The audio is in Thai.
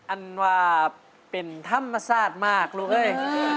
อันว่าเป็นธรรมศาสตร์มากลูกเอ้ย